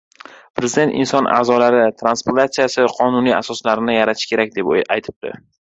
Prezident inson aʼzolari transplantatsiyasining qonuniy asoslarini yaratish kerak deb aytibdi.